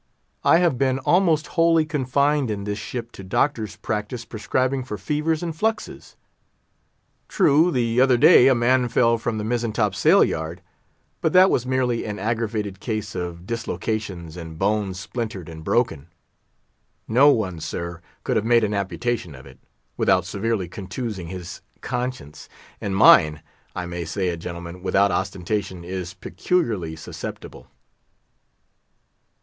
I have been almost wholly confined in this ship to doctor's practice prescribing for fevers and fluxes. True, the other day a man fell from the mizzen top sail yard; but that was merely an aggravated case of dislocations and bones splintered and broken. No one, sir, could have made an amputation of it, without severely contusing his conscience. And mine—I may say it, gentlemen, without ostentation is—peculiarly susceptible."